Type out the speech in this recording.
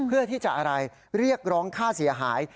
เพื่อที่จะอะไรเรียกร้องค่าเสียหาย